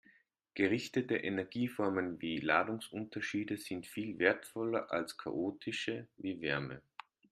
Gerichtete Energieformen wie Ladungsunterschiede sind viel wertvoller als chaotische wie Wärme.